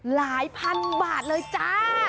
หลายพันบาทเลยจ้า